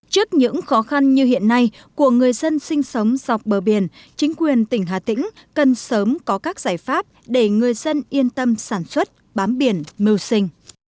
trước những khó khăn như hiện nay của người dân sinh sống dọc bờ biển chính quyền tỉnh hà tĩnh cần sớm có các giải pháp để người dân yên tâm sản xuất bám biển mưu sinh